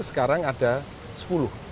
sekarang ada sepuluh